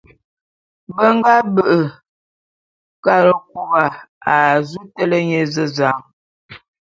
Be nga be'e Karekôba a zu télé nye ézezan.